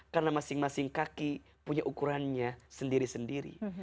karena masing masing kaki punya ukurannya sendiri sendiri